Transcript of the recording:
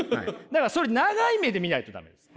だからそれ長い目で見ないと駄目です。